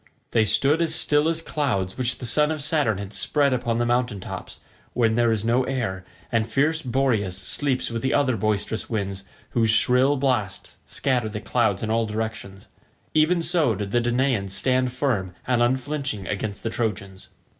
They stood as still as clouds which the son of Saturn has spread upon the mountain tops when there is no air and fierce Boreas sleeps with the other boisterous winds whose shrill blasts scatter the clouds in all directions—even so did the Danaans stand firm and unflinching against the Trojans.